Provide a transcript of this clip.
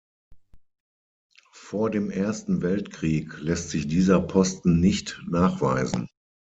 Vor dem Ersten Weltkrieg lässt sich dieser Posten nicht nachweisen.